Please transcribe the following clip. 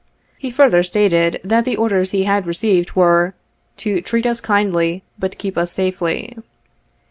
He further stated that the orders he had received were, to 1 treat us kindly, but keep us safely.'